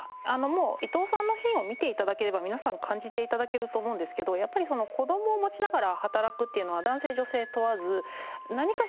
もう伊藤さんのシーンを見て頂ければ皆さん感じて頂けると思うんですけどやっぱり子どもを持ちながら働くっていうのは男性女性問わず何かしらしんどいんですよね。